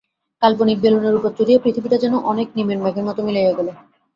কাল্পনিক বেলুনের উপরে চড়িয়া পৃথিবীটা যেন অনেক নিমেন মেঘের মতো মিলাইয়া গেল।